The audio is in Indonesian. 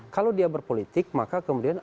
kalau dia berpolitik maka kemudian